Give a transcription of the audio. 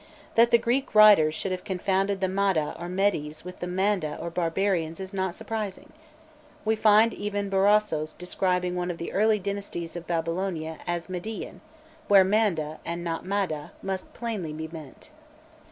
That the Greek writers should have confounded the Madâ or Medes with the Manda or Barbarians is not surprising; we find even Berossos describing one of the early dynasties of Babylonia as "Median" where Manda, and not Madâ, must plainly be meant.